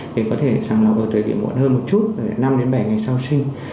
thì có thể sàng lọc ở thời điểm muộn hơn một chút năm đến bảy ngày sau sinh